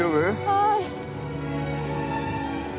はい。